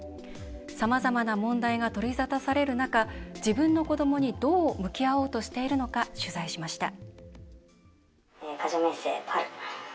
さまざまな問題が取り沙汰される中自分の子どもにどう向き合おうとしているのか取材しました。